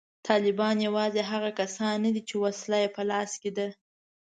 طالبان یوازې هغه کسان نه دي چې وسله یې په لاس کې ده